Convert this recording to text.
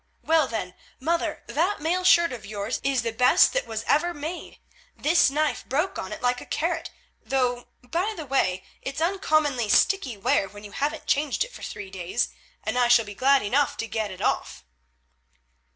Well, then, mother, that mail shirt of yours is the best that was ever made; this knife broke on it like a carrot, though, by the way, it's uncommonly sticky wear when you haven't changed it for three days, and I shall be glad enough to get it off."